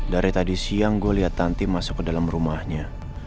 dari tadi siang gue lihat tanti masuk ke dalam rumahnya